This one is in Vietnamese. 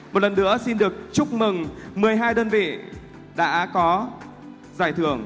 một lần nữa xin được chúc mừng một mươi hai đơn vị đã có giải thưởng